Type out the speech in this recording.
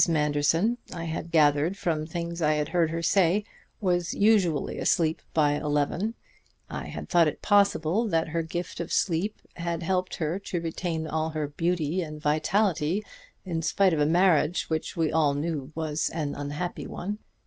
Manderson, I had gathered from things I had heard her say, was usually asleep by eleven; I had thought it possible that her gift of sleep had helped her to retain all her beauty and vitality in spite of a marriage which we all knew was an unhappy one.